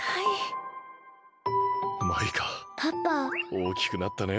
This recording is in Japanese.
おおきくなったね。